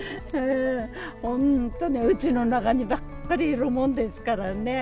本当に、うちの中にばっかりいるもんですからね。